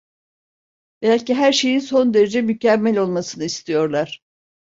Belki her şeyin son derece mükemmel olmasını istiyorlar.